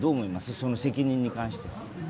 その責任に関しては。